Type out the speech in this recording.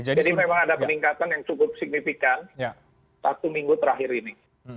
jadi memang ada peningkatan yang cukup signifikan satu minggu terakhir ini